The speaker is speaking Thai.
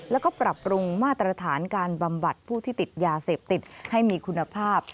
แล้วก็ปรับปรุงมาตรฐานการบำบัดผู้ที่ติดยาเสพติดให้มีคุณภาพ